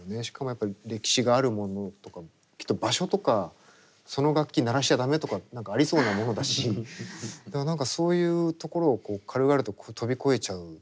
しかもやっぱり歴史があるものとかきっと場所とかその楽器鳴らしちゃ駄目とか何かありそうなものだしだから何かそういうところをこう軽々と飛び越えちゃう。